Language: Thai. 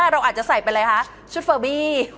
เราอาจจะใส่เป็นอะไรคะชุดเฟอร์บี้